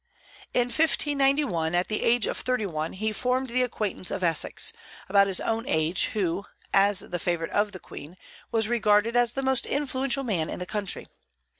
In 1591, at the age of thirty one, he formed the acquaintance of Essex, about his own age, who, as the favorite of the Queen, was regarded as the most influential man in the country.